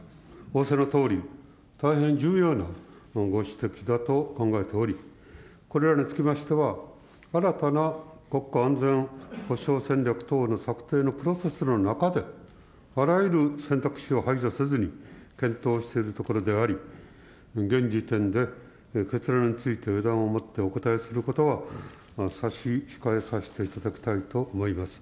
仰せのとおり、大変重要なご指摘だと考えており、これらにつきましては、新たな国家安全保障戦略等の策定のプロセスの中で、あらゆる選択肢を排除せずに検討しているところであり、現時点で結論について予断を持ってお答えすることは差し控えさせていただきたいと思います。